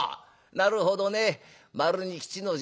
なるほどね丸に吉の字。